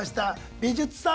美術さん